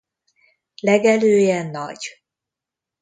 Legelője nagy.